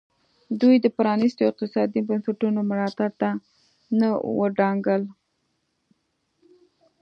دوی د پرانیستو اقتصادي بنسټونو ملاتړ ته نه ودانګل.